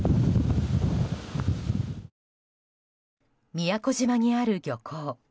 宮古島にある漁港。